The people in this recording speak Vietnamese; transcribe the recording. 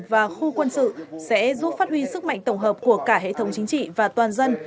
và khu quân sự sẽ giúp phát huy sức mạnh tổng hợp của cả hệ thống chính trị và toàn dân